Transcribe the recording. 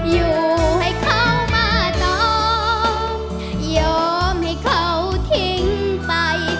อยู่ให้เขามาน้องยอมให้เขาทิ้งไป